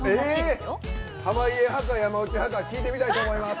濱家派か山内派か聞いてみたいと思います。